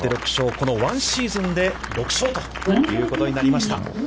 この１シーズンで６勝ということになりました。